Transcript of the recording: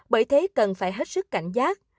bởi thế cần phải hết sức cảnh giác